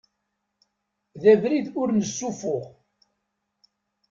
D abrid ur nessufuɣ.